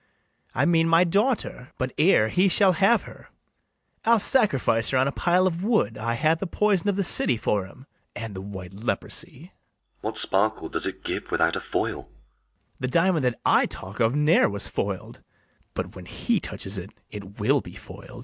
I mean my daughter; but, ere he shall have her, I'll sacrifice her on a pile of wood: I ha' the poison of the city for him, And the white leprosy. [Aside.] LODOWICK. What sparkle does it give without a foil? BARABAS. The diamond that I talk of ne'er was foil'd: But, when he touches it, it will be foil'd.